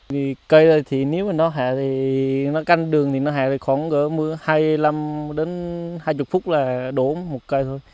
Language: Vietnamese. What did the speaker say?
vì cây này thì nếu mà nó hạ thì nó canh đường thì nó hạ khoảng hai mươi năm đến hai mươi phút là đổ một cây thôi